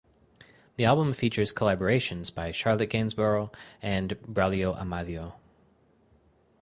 The album features collaborations by Charlotte Gainsbourg and Braulio Amadio.